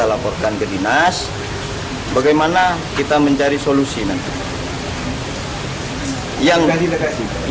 akan ke dinas bagaimana kita mencari solusi nanti